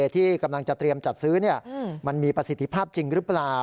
ที่กำลังจะเตรียมจัดซื้อมันมีประสิทธิภาพจริงหรือเปล่า